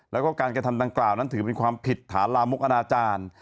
แล้วก็การกระทำดังกล่าวนั้นถือเป็นความผิดฐานลามกอนาจารย์